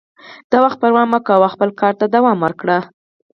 د وخت پروا مه کوئ او خپل کار ته دوام ورکړئ.